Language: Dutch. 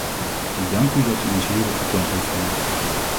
Ik dank u dat u ons hierop attent heeft gemaakt.